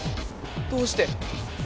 どうして？